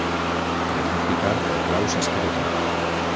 De tant picar, el clau s'ha escabotat.